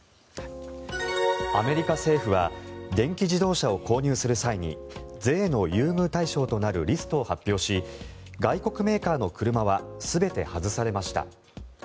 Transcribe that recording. アメリカ政府は電気自動車を購入する際に税の優遇対象となるリストを発表し外国メーカーの車は全て外されました。